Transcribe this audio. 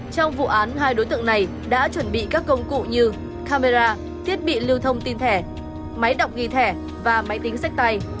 trong vụ án hai đối tượng này đã chuẩn bị các công cụ như camera thiết bị lưu thông tin thẻ máy đọc ghi thẻ và máy tính sách tay